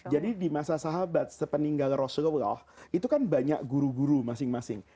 jadi di masa sahabat sepeninggal rasulullah itu kan banyak guru guru masing masing